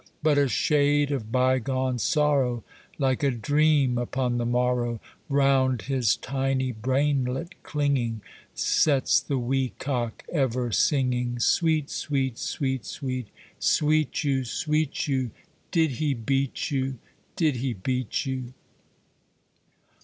But a shade of bygone sorrow, Like a dream upon the morrow, Round his tiny brainlet clinging, Sets the wee cock ever singing, 'Sweet, sweet, sweet, sweet, sweet you, sweet you, Did he beat you? Did he beat you?'